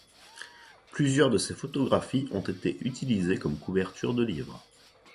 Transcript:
Plusieurs de ses photographies ont été utilisées comme couverture de livres.